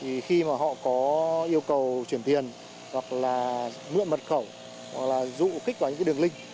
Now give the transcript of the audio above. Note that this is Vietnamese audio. thì khi mà họ có yêu cầu truyền tiền hoặc là mượn mật khẩu hoặc là rụ kích vào những đường link